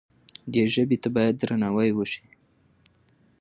دې ژبې ته باید درناوی وشي.